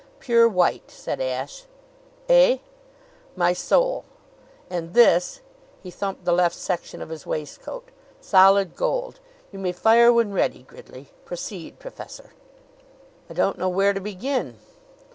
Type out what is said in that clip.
"Pure white!" said Ashe. "Eh?" "My soul! And this" he thumped the left section of his waistcoat "solid gold. You may fire when ready, Gridley. Proceed, professor." "I don't know where to begin."